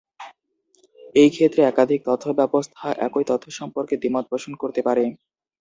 এই ক্ষেত্রে, একাধিক তথ্য ব্যবস্থা একই তথ্য সম্পর্কে দ্বিমত পোষণ করতে পারে।